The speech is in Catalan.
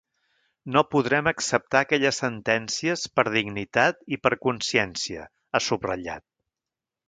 “No podrem acceptar aquelles sentències per dignitat i per consciència”, ha subratllat.